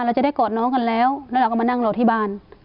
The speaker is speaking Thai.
เราจะได้กอดน้องกันแล้วแล้วเราก็มานั่งรอที่บ้าน